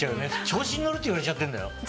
調子に乗るって言われちゃってるんだよ。